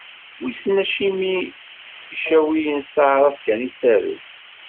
Wissen acimi Icawiyen s taɛrabt kan i ttarun.